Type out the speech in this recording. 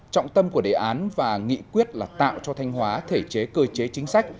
trọng tâm của đề án và nghị quyết là tạo cho thanh hóa thể chế cơ chế chính sách